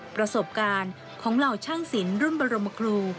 ประสบการณ์ของเหล่าช่างศิลป์รุ่นบรมครู